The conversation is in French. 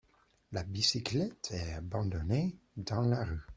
La bicyclette est abandonnée dans la rue.